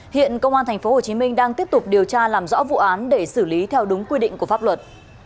hiện công an tp hcm đang tiếp tục điều tra làm rõ vụ án để xử lý theo đúng quy định của pháp luật